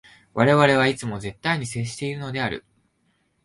我々はいつも絶対に接しているのである。